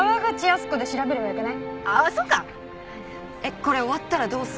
これ終わったらどうする？